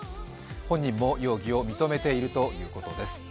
本人も容疑を認めているということです。